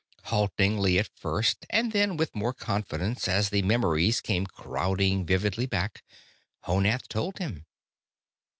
Haltingly at first, and then with more confidence as the memories came crowding vividly back, Honath told him.